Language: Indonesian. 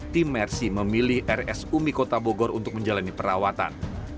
tim mersi memilih rsumi kota bogor untuk menjalani perawatan